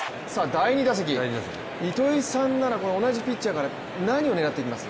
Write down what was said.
第２打席、糸井さんなら、同じピッチャーなら何を狙っていきます？